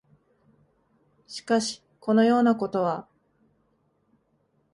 しかし、このようなことは、